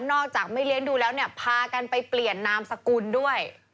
นอกจากไม่เลี้ยงดูแล้วพากันไปเปลี่ยนนามสกุลด้วย